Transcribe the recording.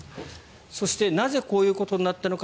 そしてなぜこういうことになったのか。